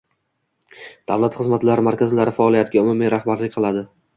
davlat xizmatlari markazlari faoliyatiga umumiy rahbarlik qiladi.